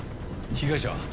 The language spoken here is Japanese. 被害者は？